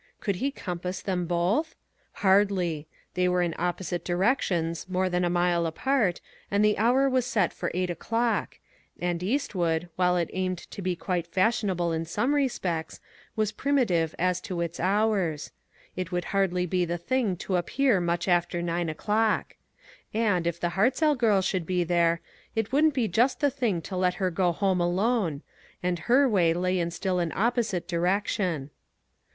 Could he compass them both? Hardly. They were in opposite directions, more than a mile apart, and the 258 ONE COMMONPLACE DAY. hour was set for eight o'clock — and East wood, while it aimed to be quite fashionable in some respects, was primitive as to its hours. It would hardly be the thing to ap pear much after nine o'clock. And, if the Hartzell girl should be there, it wouldn't be just the thing to let her go home alone — and her way lay in still an opposite direc tion.